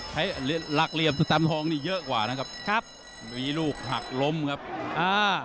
ใช้หลักเหลี่ยมสแตมทองนี่เยอะกว่านะครับครับมีลูกหักล้มครับอ่า